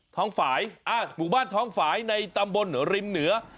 ท้องฝ่ายหมู่บ้านท้องฝ่ายในตำบลริมเหนือ